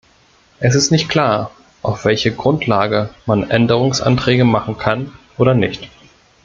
Es ist nicht klar, auf welcher Grundlage man Änderungsanträge machen kann oder nicht.